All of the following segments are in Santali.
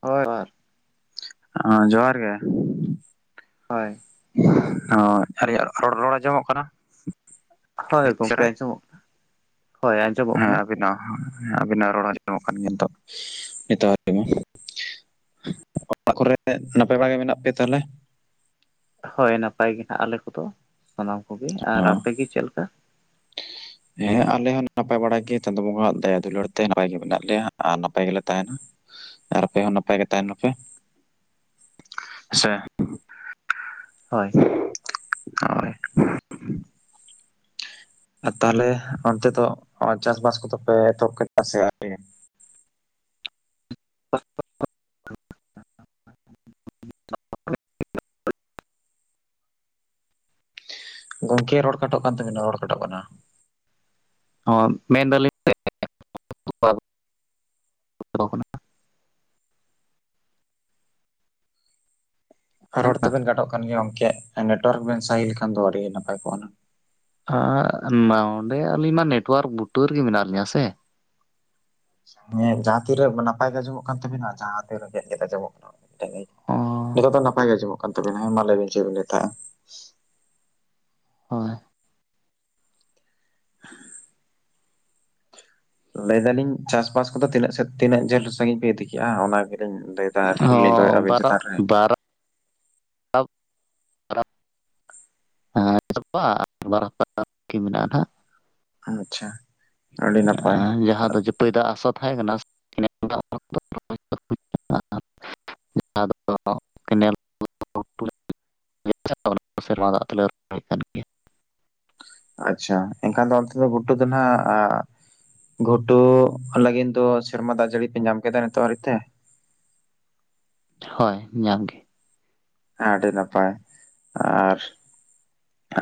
ᱦᱳᱭ ᱦ ᱡᱚᱦᱟᱨ ᱜᱮ ᱾ ᱦᱳᱭ ᱦᱳ ᱟᱨ ᱨᱚᱲ ᱨᱚᱲ ᱟᱸᱡᱚᱢᱚᱜ ᱠᱟᱱᱟ? ᱦᱳᱭ ᱵᱮᱥ ᱜᱚᱢᱠᱮ ᱪᱮᱦᱨᱟ? ᱟᱸᱡᱚᱢᱚᱜ ᱠᱟᱱᱟ᱾ ᱦᱳᱭ ᱟᱸᱡᱚᱢᱚᱜ ᱦᱮᱸ ᱟᱵᱤᱱᱟᱜ ᱦᱚᱸ ᱟᱵᱤᱱᱟᱜ ᱨᱚᱲ ᱦᱚᱸ ᱟᱸᱡᱚᱢᱚᱜ ᱠᱟᱱ ᱜᱮᱭᱟ ᱱᱤᱛᱚᱜ, ᱱᱤᱛ ᱢᱟ ᱞᱟᱹᱭ ᱵᱤᱱ ᱚᱲᱟᱜ ᱠᱚᱨᱮ ᱱᱟᱯᱟᱭ ᱵᱟᱲᱟ ᱜᱮ ᱢᱮᱱᱟᱜ ᱯᱮᱭᱟ ᱛᱟᱦᱞᱮ? ᱦᱳᱭ ᱱᱟᱯᱟᱭ ᱜᱮ ᱱᱟᱦᱟᱜ ᱟᱞᱮ ᱠᱚᱫᱚ ᱥᱟᱱᱟᱢ ᱠᱚᱜᱮ ᱚ ᱟᱨ ᱟᱯᱮ ᱜᱮ ᱪᱮᱫ ᱞᱮᱠᱟ? ᱦᱮᱸ ᱟᱞᱮ ᱦᱚᱸ ᱱᱟᱯᱟᱭ ᱵᱟᱲᱟ ᱜᱮ ᱪᱟᱸᱫᱳ ᱵᱚᱸᱜᱟᱣᱟᱜ ᱫᱟᱭᱟ ᱫᱩᱞᱟᱹᱲ ᱛᱮ ᱱᱟᱯᱟᱭ ᱜᱮ ᱢᱮᱱᱟᱜ ᱞᱮᱭᱟ ᱟᱨ ᱱᱟᱯᱟᱭ ᱜᱮᱞᱮ ᱛᱟᱦᱮᱱᱟ᱾ ᱟᱨ ᱟᱯᱮ ᱦᱚᱸ ᱱᱟᱯᱟᱭ ᱜᱮ ᱛᱟᱦᱮᱱᱚᱜ ᱯᱮ᱾ ᱥᱮ ᱦᱳᱭ ᱦᱳᱭ ᱛᱟᱦᱚᱞᱮ ᱚᱱᱛᱮ ᱫᱚ ᱪᱟᱥ ᱵᱟᱥ ᱠᱚᱫᱚ ᱯᱮ ᱮᱛᱚᱦᱚᱵ ᱠᱮᱫᱟ ᱥᱮ ᱟᱹᱣᱨᱤ? [unintelligible] [unintelligible] ᱜᱚᱢᱠᱮ ᱨᱚᱲ ᱠᱟᱴᱚᱜ ᱠᱟᱱ ᱛᱟᱵᱤᱱᱟ ᱨᱚᱲ ᱠᱟᱴᱚᱜ ᱠᱟᱱᱟ᱾ ᱢᱮᱱᱫᱟᱞᱤᱧ [unintelligible] ᱨᱚᱲ ᱛᱟᱵᱤᱱ ᱠᱟᱴᱚᱜ ᱠᱟᱱ ᱜᱮᱭᱟ ᱜᱚᱢᱠᱮ ᱱᱮᱴᱳᱣᱟᱨᱠ ᱵᱤᱱ ᱥᱟᱭᱤᱰ ᱞᱮᱠᱷᱟᱱ ᱫᱚ ᱟᱹᱰᱤ ᱱᱟᱯᱟᱭ ᱠᱚᱜᱼᱟ ᱦᱩᱱᱟ. ᱝᱼᱼ ᱱᱚᱸᱰᱮ ᱟᱹᱞᱤᱧ ᱢᱟ ᱱᱮᱴᱳᱣᱟᱨᱠ ᱵᱩᱴᱟᱹᱨᱮᱜᱮ ᱢᱮᱱᱟᱜ ᱞᱤᱧᱟ ᱥᱮ᱾ ᱦᱮᱸ ᱡᱟᱦᱟᱸ ᱛᱤᱨᱮ ᱱᱟᱯᱟᱭ ᱜᱮ ᱟᱸᱡᱚᱢᱚᱜ ᱠᱟᱱ ᱛᱟᱵᱤᱱᱟ ᱡᱟᱦᱟᱸ ᱛᱤᱨᱮ ᱜᱮᱫ ᱜᱮᱫ ᱟᱸᱡᱢᱚᱜ ᱠᱟᱱᱟ᱾ ᱚ ᱱᱤᱛᱚᱜ ᱫᱚ ᱱᱟᱯᱟᱭ ᱜᱮ ᱟᱸᱡᱚᱢᱚᱜ ᱠᱟᱱ ᱛᱟᱵᱤᱱᱟ ᱦᱮ ᱢᱟ ᱞᱟᱹᱭ ᱵᱤᱱ ᱪᱮᱫ ᱵᱤᱱ ᱞᱟᱹᱭ ᱮᱫ ᱛᱟᱦᱮᱫᱼᱟ? ᱦᱳᱭᱼᱼ ᱞᱟᱹᱭ ᱫᱟᱞᱤᱧ ᱪᱟᱥ ᱵᱟᱥ ᱠᱚᱫᱚ ᱛᱤᱱᱟᱹᱜ ᱥᱮᱫ ᱛᱤᱱᱟᱹᱜ ᱡᱷᱟᱹᱞ ᱥᱟᱺᱜᱤᱧ ᱯᱮ ᱤᱫᱤ ᱠᱮᱫᱼᱟ ᱚᱱᱟ ᱜᱮᱞᱤᱧ ᱞᱟᱹᱭ ᱮᱼᱼ ᱚ ᱵᱟᱨᱚ ᱵᱟᱨᱚᱼᱼ ᱛ [unintelligible] ᱦᱮᱸ ᱵᱟᱨ ᱦᱟᱯᱛᱟ ᱵᱟᱠᱤ ᱢᱮᱱᱟᱜᱼᱟ ᱱᱟᱟᱜᱼᱼ ᱟᱪᱪᱷᱟ ᱟᱹᱰᱤ ᱱᱟᱯᱟᱭ ᱡᱟᱦᱟᱸ ᱫᱚ ᱡᱟᱹᱯᱟᱹᱭ ᱫᱟᱜ ᱟᱥᱟ ᱛᱟᱦᱮᱸ ᱠᱟᱱᱟ [unintelligible] ᱡᱟᱦᱟᱸ ᱫᱚ ᱠᱮᱱᱮᱞ [unintelligible] ᱥᱮᱨᱢᱟ ᱫᱟᱜ ᱛᱮᱞᱮ ᱨᱚᱦᱚᱭ ᱠᱟᱫᱟ [unintelligible] ᱟᱪᱪᱷᱟ ᱮᱱᱠᱷᱟᱱ ᱫᱚ ᱚᱱᱛᱮ ᱫᱚ ᱜᱷᱩᱴᱩ ᱫᱚ ᱱᱟᱜᱼᱼ ᱜᱷᱩᱴᱩ ᱞᱟᱹᱜᱤᱫ ᱫᱚ ᱥᱮᱨᱢᱟ ᱫᱟᱜ ᱡᱟᱹᱲᱤ ᱯᱮ ᱧᱟᱢ ᱠᱮᱫᱟ ᱱᱤᱛᱚᱜ ᱦᱟᱹᱨᱤᱡ ᱛᱮ? ᱦᱳᱭ ᱧᱟᱢᱜᱮ᱾ ᱟᱹᱰᱤ ᱱᱟᱯᱟᱭ ᱟᱨᱼᱼ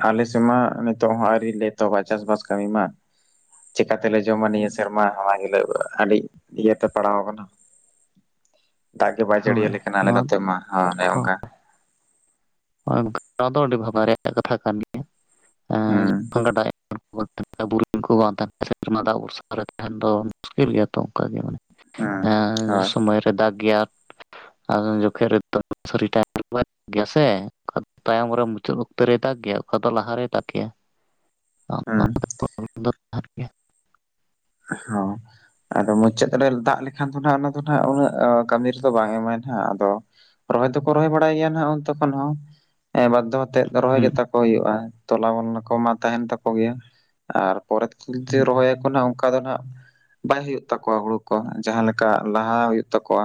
ᱟᱞᱮ ᱥᱮᱫ ᱢᱟ ᱱᱤᱛᱚᱜ ᱦᱚᱸ ᱟᱹᱣᱨᱤ ᱞᱮ ᱮᱦᱚᱵᱟ ᱪᱟᱥ ᱵᱟᱥ ᱠᱟᱹᱢᱤ ᱢᱟ, ᱪᱮᱠᱟ ᱛᱮᱞᱮ ᱡᱚᱢᱟ ᱱᱤᱭᱟᱹ ᱥᱮᱨᱢᱟ ᱚᱱᱟ ᱜᱮᱞᱮᱼᱼ ᱟᱹᱰᱤ ᱤᱭᱟᱹᱛᱮ ᱯᱟᱲᱟᱣ ᱠᱟᱱᱟ᱾ ᱫᱟᱜ ᱜᱮ ᱵᱟᱭ ᱦᱳᱭ ᱡᱟᱹᱲᱤᱭᱟᱞᱮ ᱠᱟᱱᱟ ᱟᱞᱮ ᱱᱚᱣᱟ ᱱᱚᱛᱮ ᱢᱟ ᱚᱱᱮ ᱚᱱᱠᱟ᱾ ᱱᱚᱣᱟ ᱫᱚ ᱟᱹᱰᱤ ᱵᱷᱟᱵᱟᱣ ᱨᱮᱭᱟᱜ ᱠᱟᱛᱷᱟ ᱠᱟᱱ ᱜᱮᱭᱟ᱾ ᱦᱮᱸ [unintelligible] ᱢᱩᱥᱠᱤᱞ ᱜᱮᱭᱟ ᱛᱚ ᱚᱱᱠᱟ ᱜᱮ ᱢᱟᱱᱮ ᱦᱮᱸ ᱦᱳᱭ ᱥᱚᱢᱚᱭ ᱨᱮ ᱫᱟᱜ ᱜᱮᱭᱟ᱾ ᱟᱫᱚ ᱡᱚᱠᱷᱮᱡ [unintelligible] ᱜᱮᱭᱟ ᱥᱮ ᱚᱠᱟ ᱫᱚ ᱛᱟᱭᱚᱢ ᱨᱮ ᱢᱩᱪᱟᱹᱫ ᱚᱠᱛᱚ ᱨᱮᱭ ᱫᱟᱜ ᱜᱮᱭᱟ ᱚᱠᱟ ᱫᱚ ᱞᱟᱦᱟᱨᱮᱭ ᱫᱟᱜ ᱜᱮᱭᱟ ᱦᱩᱸ [unintelligible] ᱚ ᱦᱚᱸ ᱟᱫᱚ ᱢᱩᱪᱟᱹᱫ ᱨᱮ ᱫᱟᱜ ᱞᱮᱠᱷᱟᱱ ᱫᱚ ᱚᱱᱟ ᱫᱚ ᱩᱱᱟᱹᱜ ᱠᱟᱹᱢᱤ ᱨᱮᱫᱚ ᱵᱟᱝ ᱮᱢᱟᱭ ᱱᱟᱜ ᱟᱫᱚ᱾ ᱨᱚᱦᱚᱭ ᱫᱚᱠᱚ ᱨᱚᱦᱚᱭ ᱵᱟᱲᱟᱭ ᱜᱮᱭᱟ ᱱᱟᱜ ᱛᱚᱠᱷᱚᱱ ᱦᱚᱸ ᱵᱟᱫᱷᱚ᱾ ᱛᱮ ᱨᱚᱦᱚᱭ ᱜᱮ ᱦᱮᱸ ᱛᱟᱠᱚ ᱦᱳᱭᱳᱜᱼᱟ ᱛᱚᱞᱟ ᱠᱚ ᱢᱟ ᱛᱟᱦᱮᱱ ᱛᱟᱠᱚ ᱜᱮᱭᱟ ᱟᱨ᱾ ᱯᱚᱨᱮ ᱨᱚᱦᱚᱭ ᱟᱠᱚ ᱚᱱᱟ ᱫᱚ ᱱᱟᱜ᱾ ᱵᱟᱭ ᱦᱩᱭᱩᱜ ᱛᱟᱠᱚᱣᱟ ᱦᱩᱲᱩ ᱠᱚ, ᱡᱟᱸᱦᱟ ᱞᱮᱠᱟ ᱞᱟᱦᱟ ᱦᱩᱭᱩᱜ ᱛᱟᱠᱚᱣᱟ᱾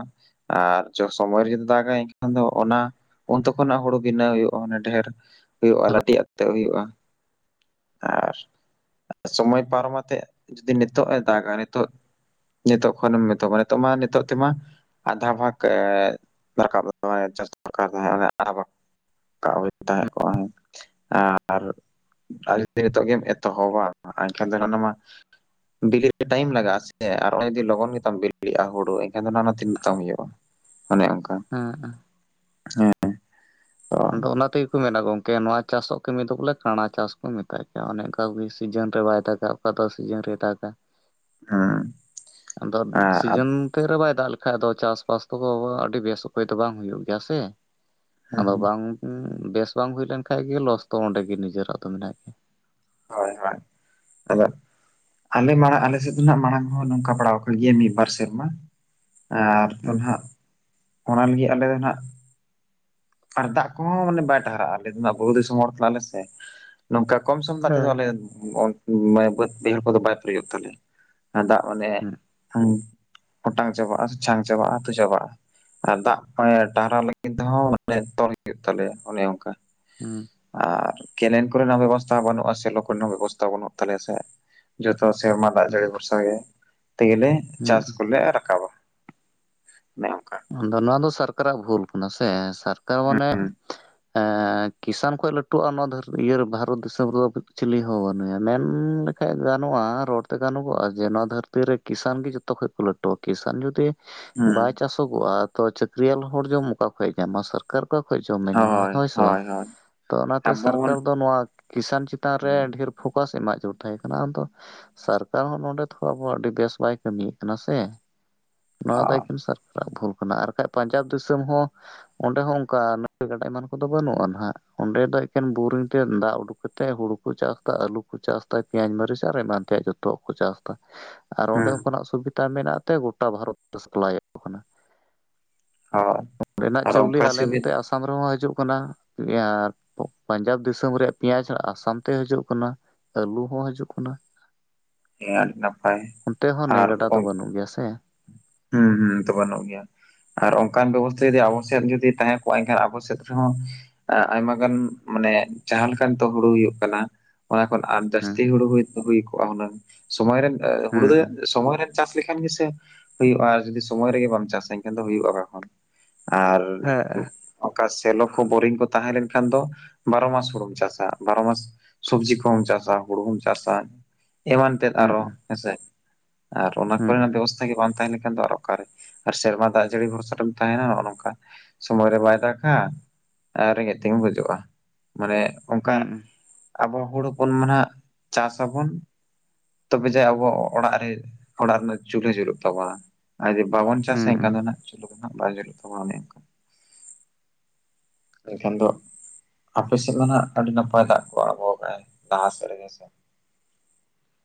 ᱟᱨ ᱥᱚᱢᱚᱭ ᱨᱮ ᱡᱩᱫᱤ ᱫᱟᱜᱟ ᱮᱱᱠᱷᱟᱱ ᱫᱚ ᱚᱱᱟ᱾ ᱚᱱᱛᱮ ᱠᱷᱚᱱᱟᱜ ᱦᱩᱲᱩ ᱵᱷᱤᱱᱟᱹᱣ ᱦᱩᱭᱩᱜ-ᱟ ᱢᱟᱱᱮ ᱰᱷᱮᱨ ᱦᱩᱭᱩᱜ-ᱟ ᱦᱮᱞᱳ ᱞᱟᱹᱴᱤᱡ ᱟᱠᱛᱮ ᱦᱩᱭᱩᱜ-ᱟ᱾ ᱟᱨ ᱥᱚᱢᱚᱭ ᱯᱟᱨᱚᱢᱟ ᱛᱮ ᱡᱩᱫᱤ ᱱᱤᱛᱚᱜ ᱮ ᱫᱟᱜᱟ ᱱᱤᱛᱚᱜ᱾ ᱱᱤᱛᱚᱜ ᱠᱷᱚᱱᱮᱢ ᱮᱛᱚᱦᱚᱵᱟ ᱱᱤᱛᱚᱜ ᱢᱟ ᱱᱤᱛᱚᱜ ᱛᱮᱢᱟ᱾ ᱟᱫᱷᱟ ᱵᱷᱟᱜᱽ ᱫᱚᱨᱠᱟᱨ [unintelligible] ᱪᱟᱥ ᱫᱚᱠᱟᱨ ᱵᱷᱟᱜ᱾ ᱛᱟᱸᱦᱮ ᱠᱚᱜ-ᱟ ᱟᱨ᱾ ᱱᱤᱛᱚᱜ ᱜᱮᱢ ᱮᱛᱚᱦᱚᱵᱟ ᱮᱱᱠᱷᱟᱱ ᱫᱚ ᱦᱟᱱᱟ ᱢᱟ᱾ ᱵᱤᱞᱤᱜ ᱛᱮ ᱴᱟᱭᱤᱢ ᱞᱟᱜᱟᱜ-ᱟ ᱥᱮ ᱟᱨ ᱚᱱᱟ ᱡᱩᱫᱤ ᱞᱚᱜᱚᱱ ᱜᱮᱛᱟᱢ ᱵᱤᱞᱤᱜ-ᱟ, ᱦᱩᱲᱩ ᱮᱱᱠᱷᱟᱱ ᱫᱚ ᱛᱤᱱᱟᱹᱜ ᱛᱟᱢ ᱦᱩᱭᱩᱜ-ᱟ᱾ ᱚᱱᱮ ᱚᱱᱠᱟ᱾ ᱦᱮᱸ ᱦᱮᱸ ᱟᱫᱚ ᱚᱱᱟ ᱛᱮ᱾ ᱢᱮᱱᱟ ᱜᱚᱝᱠᱮ ᱱᱚᱣᱟ ᱪᱟᱥᱚᱜ ᱠᱟᱹᱢᱤ ᱫᱚ ᱵᱚᱞᱮ ᱠᱟᱬᱟ ᱪᱟᱥ ᱠᱚ ᱢᱮᱛᱟᱜ ᱜᱮᱭᱟ ᱚᱱᱮ ᱚᱱᱠᱟᱜᱮ ᱥᱤᱡᱤᱱ ᱨᱮ ᱵᱟᱭ ᱫᱟᱜᱟᱭ᱾ ᱚᱠᱟ ᱫᱚ ᱥᱤᱡᱤᱱ ᱨᱮ ᱫᱟᱜᱟ, ᱦᱮᱸ ᱟᱫᱚ ᱟᱨ ᱥᱤᱡᱤᱱ ᱛᱮ ᱨᱮ ᱵᱟᱭ ᱫᱟᱜ ᱞᱮ᱾ ᱵᱟᱠᱷᱟᱡ ᱫᱚ ᱪᱟᱥᱵᱟᱥ ᱠᱚᱫᱚ ᱟᱹᱰᱤ ᱵᱮᱥ ᱩᱯᱟᱹᱭ ᱛᱮ ᱵᱟᱝ ᱦᱩᱭᱩᱜ ᱜᱮᱭᱟ ᱥᱮ᱾ ᱦᱮᱸ ᱟᱫᱚ ᱵᱟᱝ ᱵᱮᱥ ᱵᱟᱝ ᱦᱩᱭ ᱞᱮᱱ ᱠᱷᱟᱱ ᱜᱮ, ᱞᱚᱥ ᱫᱚ ᱚᱸᱰᱮ ᱜᱮ ᱱᱤᱡᱮᱨᱟᱜ ᱫᱚ ᱢᱮᱱᱟᱜ ᱜᱮᱭᱟ᱾ ᱦᱳᱭ ᱦᱳᱭ ᱟᱫᱚ᱾ ᱟᱞᱮ ᱢᱟᱲᱟᱝ ᱟᱞᱮ ᱥᱮᱫ ᱫᱚ ᱱᱟᱜ ᱢᱟᱲᱟᱝ ᱦᱚᱸ ᱱᱚᱝᱠᱟ ᱵᱟᱲᱟᱣ ᱟᱠᱟᱱ ᱜᱮᱭᱟ ᱢᱤᱫ ᱵᱟᱨ ᱥᱮᱨᱢᱟ᱾ ᱟᱨ ᱦᱮᱸ ᱫᱚᱦᱱᱟᱜ ᱚᱱᱟ ᱞᱟᱹᱜᱤᱫ ᱟᱞᱮ ᱫᱚ ᱱᱟᱜ᱾ ᱟᱨ ᱫᱟᱜ ᱠᱚᱦᱚᱸ ᱢᱟᱱᱮ ᱵᱟᱭ ᱴᱟᱦᱟᱨᱟᱜ-ᱟ, ᱟᱞᱮ ᱫᱚᱱᱟᱜ ᱵᱩᱨᱩ ᱫᱤᱥᱚᱢ ᱦᱚᱲ ᱠᱟᱱᱟᱞᱮ ᱥᱮ᱾ ᱱᱚᱝᱠᱟ ᱠᱚᱢ ᱥᱚᱢ ᱫᱟᱜ ᱛᱮᱫᱚ ᱟᱞᱮ ᱦᱮᱸ ᱵᱟᱹᱫᱽ ᱵᱟᱹᱭᱦᱟᱹᱲ ᱠᱚᱫᱚ ᱵᱟᱭ ᱯᱮᱨᱮᱡᱳᱜ ᱛᱟᱞᱮ᱾ ᱟ ᱫᱟᱜ ᱵᱟᱱᱮ ᱦᱩᱸ᱾ ᱚᱴᱟᱝ ᱪᱟᱵᱟᱜᱼᱟ ᱥᱮ ᱪᱷᱟᱱ ᱪᱟᱵᱟᱜ-ᱟ ᱛᱚ ᱪᱟᱵᱟᱜ-ᱟ ᱟᱨ ᱫᱟᱜ ᱴᱟᱨᱦᱟᱣ ᱞᱟᱹᱜᱤᱫ ᱛᱮᱸᱦᱚ᱾ ᱢᱟᱱᱮ ᱛᱚᱞ ᱦᱩᱭᱩᱜ ᱛᱟᱞᱮᱭᱟ ᱚᱱᱮ ᱚᱱᱠᱟ᱾ ᱦᱩᱸ ᱟᱨ ᱠᱮᱞᱮᱱ ᱠᱚᱨᱮᱱᱟᱜ ᱵᱮᱵᱚᱥᱛᱷᱟ ᱵᱟᱹᱱᱩᱜ-ᱟ, ᱥᱮ ᱞᱚᱠᱮᱱ ᱠᱚᱨᱮᱱᱟᱜ ᱵᱮᱵᱚᱥᱛᱷᱟ ᱵᱟᱹᱱᱩᱜ ᱛᱟᱞᱮᱭᱟ ᱥᱮ᱾ ᱡᱚᱛᱚ ᱥᱮᱨᱢᱟ ᱫᱟᱜ ᱡᱟᱹᱲᱤ ᱵᱷᱚᱨᱥᱟ ᱛᱮᱜᱮᱞᱮ ᱦᱩᱸ ᱪᱟᱥ ᱠᱚᱞᱮ ᱨᱟᱠᱟᱵᱟ᱾ ᱚᱱᱮ ᱚᱱᱠᱟ ᱟᱫᱚ ᱱᱚᱣᱟ ᱫᱚ ᱥᱚᱨᱠᱟᱨᱟᱜ ᱵᱷᱩᱞ ᱠᱟᱱᱟ ᱥᱮ ᱥᱚᱨᱠᱟᱨ ᱢᱟᱱᱮ᱾ ᱮᱸ ᱠᱤᱥᱟᱱ ᱠᱷᱚᱡ ᱞᱟᱹᱴᱩᱜ-ᱟ ᱱᱚᱣᱟ ᱵᱷᱟᱨᱚᱛ ᱫᱤᱥᱚᱢ ᱨᱮᱫᱚ ᱪᱤᱞᱤ ᱦᱚᱸ ᱵᱟᱹᱱᱩᱭᱟ ᱢᱮᱱ ᱠᱷᱟᱡ ᱜᱟᱱᱚᱜ-ᱟ ᱨᱚᱲᱛᱮ ᱜᱟᱱᱚᱜᱚᱜ-ᱟ ᱡᱮ ᱱᱚᱣᱟ ᱫᱷᱟᱹᱨᱛᱤ ᱨᱮ ᱠᱤᱥᱟᱱ ᱜᱮ ᱡᱷᱚᱛᱚ ᱠᱷᱚᱱ ᱠᱚ ᱞᱟᱹᱴᱩᱣᱟ ᱠᱤᱥᱟᱱ ᱡᱩᱫᱤ ᱦᱩᱸ ᱵᱟᱭ ᱪᱟᱥᱚᱜᱚᱜ-ᱟ ᱛᱚ ᱪᱟᱹᱠᱨᱤᱭᱟᱱ ᱦᱚᱲ ᱡᱚᱢ ᱚᱠᱟ ᱠᱷᱚᱱ ᱧᱟᱢᱟ ᱥᱚᱨᱼᱼ ᱠᱟᱨ ᱚᱠᱟ ᱠᱷᱚᱱ ᱡᱚᱢ ᱢᱮ ᱧᱟᱢᱟ ᱦᱳᱭ ᱥᱮ ᱵᱟᱝ᱾ ᱛᱚ ᱚᱱᱟᱛᱮ ᱟᱵᱚ ᱵᱚᱱ ᱥᱚᱨᱠᱟᱨ ᱫᱚ ᱱᱚᱣᱟ ᱠᱤᱥᱟᱱ ᱪᱮᱛᱟᱱ ᱨᱮ ᱦᱩᱸ ᱰᱷᱮᱨ᱾ ᱯᱷᱳᱠᱟᱥ ᱮᱢᱟ [inaudible] ᱛᱟᱸᱦᱮ ᱠᱟᱱᱟ ᱟᱢᱫᱚ᱾ ᱥᱚᱨᱠᱟᱨ ᱦᱚᱸ ᱱᱚᱰᱮ ᱛᱷᱚᱲᱟ ᱟᱵᱚ ᱟᱹᱰᱤ ᱵᱮᱥ ᱵᱟᱭ ᱠᱟᱹᱢᱤᱭᱮᱫ ᱠᱟᱱᱟ ᱥᱮ ᱱᱚᱣᱟ ᱦᱳᱭ ᱥᱚᱨᱼᱼ ᱵᱷᱩᱞ ᱠᱟᱱᱟ, ᱟᱨ ᱵᱟᱠᱷᱟᱡ ᱯᱟᱱᱧᱡᱟᱵᱽ ᱫᱤᱥᱚᱢ ᱦᱚᱸ ᱚᱸᱰᱮ ᱦᱚᱸ ᱚᱱᱠᱟ ᱱᱟᱹᱭ ᱜᱟᱰᱟ ᱮᱢᱟᱱ ᱠᱚᱫᱚ ᱵᱟᱹᱱᱩᱜ-ᱟ ᱱᱟᱦᱟᱜ᱾ ᱚᱸᱰᱮ ᱫᱚ ᱮᱠᱮᱱ ᱵᱳᱨᱤᱝ ᱛᱮ ᱫᱟᱜ ᱩᱰᱩᱠ ᱠᱟᱛᱮᱫ ᱦᱩᱲᱩ ᱠᱚ ᱪᱟᱥ ᱫᱟ ᱟᱞᱩ ᱠᱚ ᱪᱟᱥ ᱮᱫᱟ ᱯᱮᱸᱭᱟᱡᱽ ᱢᱟᱹᱨᱤᱪ ᱟᱨ ᱮᱢᱟᱱ ᱛᱮᱭᱟᱜ ᱡᱚᱛᱚ᱾ ᱡᱚᱛᱚ ᱟᱜ ᱠᱚ ᱪᱟᱥ ᱫᱟ᱾ [inaudible] ᱟᱨ ᱚᱸᱰᱮ ᱠᱷᱚᱱᱟᱜ ᱥᱩᱵᱤᱫᱟ ᱢᱮᱱᱟᱜ ᱛᱮ ᱜᱚᱴᱟ ᱵᱷᱟᱨᱚᱛ ᱥᱟᱯᱞᱟᱭᱚᱜ ᱠᱟᱱᱟ᱾ ᱦᱳᱭ ᱚᱸᱰᱮᱱᱟᱜ ᱟᱨ ᱪᱟᱣᱞᱮ ᱚᱱᱠᱟ ᱟᱞᱮ ᱥᱩᱵᱤᱫ ᱱᱚᱛᱮ ᱟᱥᱟᱢ ᱨᱮᱦᱚᱸ ᱦᱟᱡᱩᱜ ᱠᱟᱱᱟ, [unintelligible] ᱯᱟᱧᱡᱟᱵᱽ ᱫᱤᱥᱚᱢ ᱨᱮᱭᱟᱜ ᱯᱮᱸᱭᱟᱡ ᱟᱥᱟᱢ ᱛᱮᱭ ᱦᱤᱡᱩᱜ ᱠᱟᱱᱟ, ᱟᱹᱞᱩ ᱦᱚᱸ ᱦᱤᱡᱩᱜ ᱠᱟᱱᱟ᱾ ᱦᱮᱸ ᱟᱹᱰᱤ ᱱᱟᱯᱟᱭ ᱚᱱᱛᱮ ᱦᱚᱸ ᱱᱟᱹᱭ ᱟᱨ ᱜᱟᱰᱟ ᱫᱚ ᱚᱝ ᱵᱟᱹᱱᱩᱜ ᱜᱮᱭᱟ ᱥᱮ, ᱦᱩᱸ ᱦᱩᱸ ᱚᱱᱛᱮ ᱵᱟᱱᱩᱜ ᱜᱮᱭᱟ᱾ ᱟᱨ ᱚᱱᱠᱟᱱ ᱵᱮᱵᱚᱥᱛᱷᱟ ᱡᱚᱫᱤ ᱟᱵᱚ ᱥᱮᱫ ᱡᱚᱫᱤ ᱛᱟᱦᱮᱸ ᱠᱚᱜ-ᱟ ᱮᱱᱠᱷᱟᱱ ᱟᱵᱚ ᱥᱮᱫ ᱨᱮᱦᱚᱸ ᱮᱸ ᱟᱭᱢᱟ ᱜᱟᱱ ᱢᱟᱱᱮ ᱡᱟᱦᱟᱸ ᱞᱮᱠᱟᱱ ᱛᱚ ᱦᱩᱲᱩ ᱦᱩᱭᱩᱜ ᱠᱟᱱᱟ, ᱚᱱᱟ ᱠᱷᱚᱱ ᱟᱨ ᱦᱮᱸ ᱡᱟᱹᱥᱛᱤ ᱦᱩᱲᱩ ᱦᱚᱭᱛᱚ ᱦᱩᱭ ᱠᱚᱜ-ᱟ ᱦᱩᱱᱟᱹᱝ, ᱥᱚᱢᱚᱭ ᱨᱮᱢ ᱮᱸ ᱦᱩᱲᱩ ᱦᱮᱸ ᱫᱚ ᱥᱚᱢᱚᱭ ᱨᱮᱢ ᱪᱟᱥ ᱞᱮᱠᱷᱟᱱ ᱜᱮᱥᱮ ᱦᱩᱭᱩᱜ-ᱟ ᱟᱨ ᱡᱩᱫᱤ ᱥᱚᱢᱚᱭ ᱨᱮᱜᱮ ᱵᱟᱢ ᱪᱟᱥᱟ ᱮᱱᱠᱷᱟᱱ ᱫᱚ ᱦᱩᱭᱩᱜ-ᱟ ᱚᱠᱟ ᱠᱷᱚᱱ, ᱟᱨ ᱦᱮᱸ ᱚᱠᱟ ᱥᱮᱞᱚ ᱠᱚ, ᱵᱳᱨᱤᱝ ᱠᱚ ᱛᱟᱦᱮᱸ ᱞᱮᱱᱠᱷᱟᱱ ᱫᱚ, ᱵᱟᱨᱚ ᱢᱟᱥ ᱦᱩᱲᱩᱢ ᱪᱟᱥᱟ ᱵᱟᱨᱚ, ᱢᱟᱥ ᱥᱚᱵᱡᱤ ᱠᱚᱦᱚᱸᱢ ᱪᱟᱥᱟ, ᱦᱩᱲᱩ ᱦᱚᱢ ᱪᱟᱥᱟ, ᱮᱢᱟᱱ ᱛᱮᱫ ᱦᱩᱸ ᱟᱨᱚ ᱦᱮᱸ ᱥᱮ, ᱟᱨ ᱚᱱᱟ ᱠᱚ ᱦᱩᱸ ᱨᱮᱱᱟᱜ ᱵᱮᱵᱚᱥ ᱵᱟᱝ ᱛᱟᱦᱮᱸ ᱞᱮᱱᱠᱷᱟᱱ ᱫᱚ ᱟᱨ ᱚᱠᱟᱨᱮ, ᱟᱨ ᱥᱮᱨᱢᱟ ᱫᱟᱜ ᱡᱟᱹᱲᱤ ᱵᱷᱚᱨᱥᱟ ᱨᱮᱢ ᱛᱟᱦᱮᱸᱱᱟ ᱱᱚᱜᱼᱚ ᱱᱚᱝᱠᱟ, ᱥᱚᱢᱚᱭ ᱨᱮ ᱵᱟᱭ ᱫᱟᱜᱟ, ᱟᱨ ᱨᱮᱸᱜᱮᱡ ᱛᱮᱜᱮᱢ ᱜᱩᱡᱩᱜᱼᱟ᱾ ᱢᱟᱱᱮ ᱚᱝᱠᱟ ᱟᱵᱚ ᱦᱚᱲ ᱦᱚᱯᱚᱱ ᱢᱟ ᱱᱟᱦᱟᱜ ᱪᱟᱥ ᱟᱵᱚᱱ ᱛᱚᱵᱮ ᱡᱟᱣ ᱟᱵᱚ ᱚᱲᱟᱜ ᱨᱮ ᱚᱲᱟᱜ ᱨᱮᱱᱟᱜ ᱪᱩᱞᱦᱟᱹ ᱡᱩᱞᱟᱹᱜ ᱛᱚᱵᱟᱱᱟ, ᱟᱨ ᱡᱚᱫᱤ ᱵᱟᱵᱚᱱ ᱪᱟᱥ ᱦᱩᱸ ᱦᱩᱸ ᱮᱱᱠᱷᱟᱱ ᱫᱚ ᱦᱟᱸᱜ ᱪᱩᱞᱦᱟᱹ ᱜᱮ ᱱᱟᱦᱟᱜ ᱵᱟᱝ ᱡᱩᱞᱩᱜ ᱛᱟᱵᱚᱱᱟ ᱚᱱᱮ ᱚᱝᱠᱟ᱾ ᱮᱱᱠᱷᱟᱱ ᱫᱚ, ᱟᱯᱮ ᱥᱮᱫ ᱫᱚ ᱱᱟᱦᱟᱜ ᱟᱹᱰᱤ ᱱᱟᱯᱟᱭ ᱫᱟᱜ ᱠᱚ ᱟᱬᱜᱚ ᱠᱟᱜ-ᱟᱭ ᱞᱟᱦᱟ ᱥᱮᱫ ᱨᱮᱜᱮ ᱦᱮᱸ ᱥᱮ᱾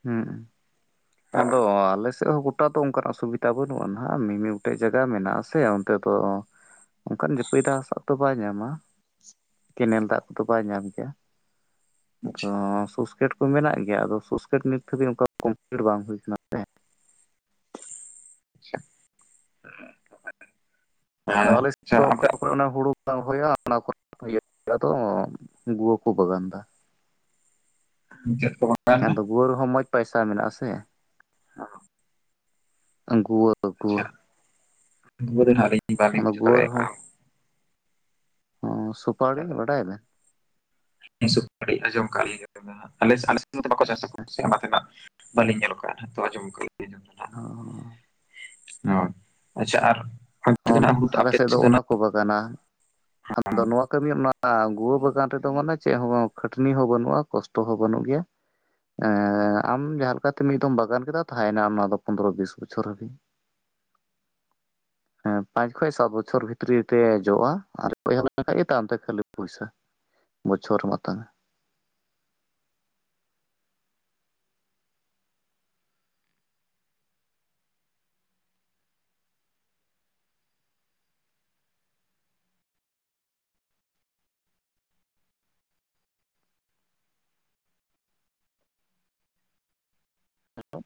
ᱦᱩᱸᱜ-ᱩ, ᱟᱫᱚ ᱟᱞᱮ ᱥᱮᱫ ᱨᱮᱦᱚᱸ ᱜᱚ ᱴᱟ ᱫᱚ ᱚᱝᱠᱟᱱᱟᱜ ᱥᱩᱵᱤᱫᱟ ᱵᱟᱹᱱᱩᱜᱼᱟ ᱱᱟᱦᱟᱜ ᱢᱤᱢᱤᱫ ᱜᱚᱴᱮᱡ ᱡᱟᱭᱜᱟ ᱢᱮᱱᱟᱜ-ᱟ ᱥᱮ ᱚᱱᱛᱮ ᱫᱚ ᱚᱱᱠᱟᱱ ᱡᱟᱹᱯᱤᱫᱟᱜ [unintelligible] ᱛᱚ ᱵᱟᱭ ᱧᱟᱢᱟ, ᱠᱮᱱᱮᱞ ᱫᱟᱜ ᱛᱚ ᱵᱟᱭ ᱧᱟᱢ ᱠᱮᱭᱟ᱾ ᱛᱚ ᱟᱪᱪᱷᱟ ᱥᱩᱥᱠᱮᱴ ᱠᱚ ᱢᱮᱱᱟᱜ ᱜᱮᱭᱟ ᱟᱫᱚ ᱥᱩᱥᱠᱮᱴ ᱱᱤᱛ ᱫᱷᱟᱹᱵᱤᱡ ᱚᱱᱠᱟ ᱠᱚᱢᱯᱞᱤᱴ ᱵᱟᱝ ᱦᱩᱭ ᱠᱟᱱᱟ᱾ ᱟᱞᱮ ᱥᱮᱫ ᱟᱪᱪᱷᱟ, ᱟᱪᱪᱷᱟ ᱫᱚ ᱚᱠᱟ ᱟᱯᱮ ᱠᱚᱨᱮ ᱚᱱᱟ ᱦᱩᱲᱩ ᱵᱟᱝ ᱦᱳᱭ-ᱟ ᱚᱱᱟ ᱠᱚ ᱨᱮ ᱤᱭᱟᱹ [inaudible] ᱦᱳᱭᱳᱜ-ᱟ ᱛᱚ, ᱜᱩᱣᱟᱹ ᱠᱚ ᱵᱟᱜᱟᱱᱫᱟ᱾ ᱪᱮᱫ ᱠᱚ ᱵᱟᱜᱟᱱ ᱦᱮᱸ ᱮᱱᱟ ᱟᱫᱚ ᱜᱩᱣᱟᱹ ᱨᱮᱦᱚᱸ ᱢᱚᱡᱽ ᱯᱟᱭᱥᱟ ᱢᱮᱱᱟᱜ-ᱟ ᱥᱮ᱾ [inaudible] ᱟᱸ ᱜᱩᱣᱟᱹ ᱫᱚ ᱜᱩᱣᱟᱹ᱾ [unintelligible] ᱨᱮ ᱱᱟᱦᱟᱜ ᱟᱞᱤᱧ ᱵᱟᱞᱤᱧ ᱚᱱᱟ ᱵᱩᱡᱷᱟᱣ ᱜᱩᱣᱟᱹ ᱫᱟᱲᱮ ᱨᱮᱦᱚᱸ ᱠᱟᱜᱼᱟ᱾ ᱥᱩᱯᱟᱲᱤ ᱵᱟᱰᱟᱭ ᱟᱵᱮᱱ? ᱥᱩᱯᱟᱲᱤ ᱟᱸᱡᱚᱢ ᱠᱟᱜᱼᱟ ᱞᱤᱧ [inaudible] ᱟᱞᱮ ᱥᱮᱫ ᱟᱞᱮ ᱥᱮᱫ ᱱᱚᱛᱮ ᱵᱟᱠᱚ ᱪᱟᱥᱟ ᱠᱚ [inaudible] ᱵᱟᱹᱞᱤᱧ ᱧᱮᱞ ᱠᱟᱜᱼᱟ ᱨᱮᱦᱚᱸ ᱛᱚ ᱟᱸᱡᱚᱢ ᱠᱟᱜ ᱟᱞᱤᱧ᱾ ᱚᱻ᱾ ᱚ, ᱟᱪᱪᱷᱟ ᱟᱨ ᱚᱱᱛᱮ ᱫᱚ ᱱᱟᱦᱟᱜ [inaudible] ᱟᱞᱮ ᱟᱯᱮ ᱥᱮᱫ ᱫᱚ ᱱᱟᱦᱟᱜ [unintelligible] ᱟᱫᱚ ᱱᱚᱣᱟ ᱠᱟᱹᱢᱤ ᱢᱟ ᱜᱩᱣᱟᱹ ᱵᱟᱜᱟᱱ ᱨᱮᱫᱚ ᱢᱟᱱᱮ ᱪᱮᱫ ᱦᱚᱸ ᱵᱟᱝ ᱠᱷᱟᱹᱴᱱᱤ ᱦᱚᱸ ᱵᱟᱹᱱᱩᱜᱼᱟ, ᱠᱚᱥᱼᱼ ᱴᱚ ᱦᱚᱸ ᱵᱟᱹᱱᱩᱜ ᱜᱮᱭᱟ᱾ ᱮᱸ ᱟᱢ ᱡᱟᱦᱟᱸ ᱞᱮᱠᱟᱛᱮ ᱢᱤᱫ ᱫᱷᱟᱢ ᱵᱟᱜᱟᱱ ᱠᱮᱫᱟ ᱛᱟᱦᱮᱸᱭᱮᱱᱟ ᱚᱱᱟ ᱫᱚ ᱯᱚᱱᱫᱨᱚ, ᱵᱤᱥ ᱵᱚᱪᱷᱚᱨ ᱦᱟᱹᱵᱤᱡ ᱦᱮᱸ ᱯᱟᱸᱪ ᱠᱷᱚᱡ ᱥᱟᱛ ᱵᱚᱪᱷᱚᱨ ᱵᱷᱤᱛᱨᱤ ᱛᱮ ᱡᱚᱜᱼᱟ ᱟᱨ [inaudible] ᱠᱷᱟᱹᱞᱤ ᱯᱚᱭᱥᱟ᱾ ᱵᱚᱪᱷᱚᱨ ᱢᱟ ᱛᱟᱦᱮᱸᱱᱟ᱾ [inaudible]